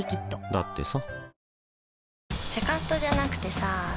だってさ